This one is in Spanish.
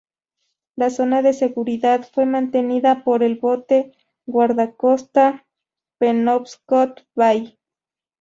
La zona de seguridad fue mantenida por el bote guardacostas "Penobscot Bay".